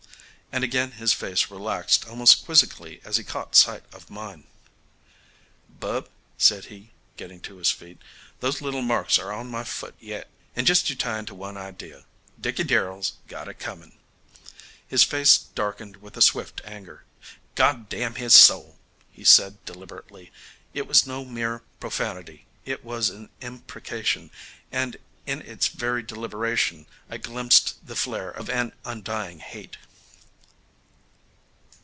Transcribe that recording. And again his face relaxed almost quizzically as he caught sight of mine. "Bub," said he, getting to his feet, "those little marks are on my foot yet. And just you tie into one idea: Dickey Darrell's got it coming." His face darkened with a swift anger. "God damn his soul!" he said, deliberately. It was no mere profanity. It was an imprecation, and in its very deliberation I glimpsed the flare of an undying hate.